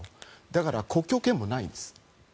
だから国境検問ないんです。